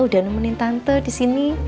udah nemenin tante disini